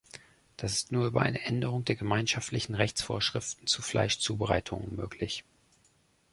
Das ist nur über eine Änderung der gemeinschaftlichen Rechtsvorschriften zu Fleischzubereitungen möglich.